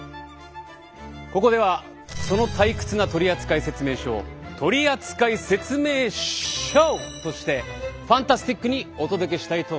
ここではその退屈な取扱説明書を取扱説明ショーとしてファンタスティックにお届けしたいと思う。